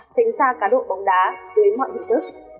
tránh xa cá độ bóng đá dưới mọi hình thức